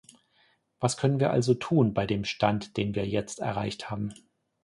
Was können wir also tun bei dem Stand, den wir jetzt erreicht haben?